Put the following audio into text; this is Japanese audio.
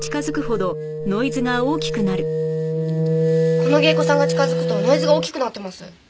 この芸妓さんが近づくとノイズが大きくなってます。